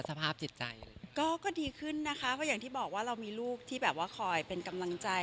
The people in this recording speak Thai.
สภาพจิตใจก็ก็ดีขึ้นนะคะเพราะอย่างที่บอกว่าเรามีลูกที่แบบว่าคอยเป็นกำลังใจ